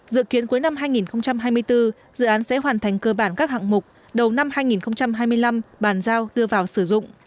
dự kiến cuối năm hai nghìn hai mươi bốn dự án sẽ hoàn thành cơ bản các hạng mục đầu năm hai nghìn hai mươi năm bàn giao đưa vào sử dụng